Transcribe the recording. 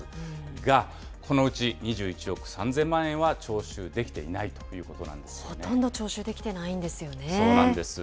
が、このうち２１億３０００万円は徴収できていないということなんでほとんど徴収できていないんそうなんです。